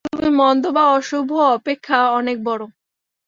তুমি মন্দ বা অশুভ অপেক্ষা অনেক বড়।